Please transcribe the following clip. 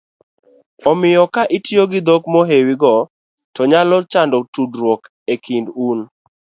omiyo ka itiyo gi dhok mohewogi to nyalo chando tudruok e kind un